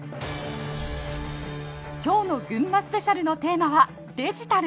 今日の「ぐんまスペシャル」のテーマは「デジタル」。